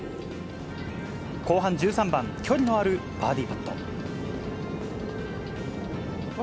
後半１３番、距離のあるバーディーパット。